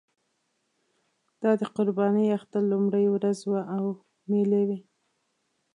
دا د قربانۍ اختر لومړۍ ورځ وه او مېلې وې.